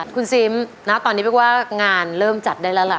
คุณซีมตอนนี้ไม่ว่างานเริ่มจัดได้แล้วล่ะ